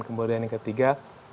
kemudian yang ketiga